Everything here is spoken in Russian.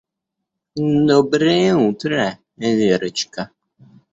Доброе утро, Верочка.